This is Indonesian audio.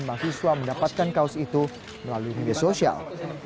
mahasiswa mendapatkan kaos itu melalui media sosial